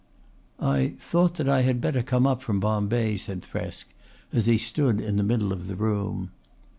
"I thought that I had better come up from Bombay," said Thresk, as he stood in the middle of the room.